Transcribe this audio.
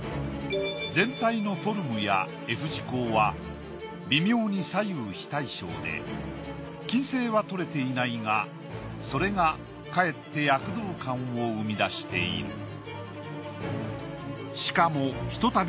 全体のフォルムやｆ字孔は微妙に左右非対称で均整はとれていないがそれがかえって躍動感を生み出している。